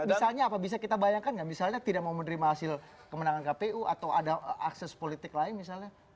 misalnya apa bisa kita bayangkan nggak misalnya tidak mau menerima hasil kemenangan kpu atau ada akses politik lain misalnya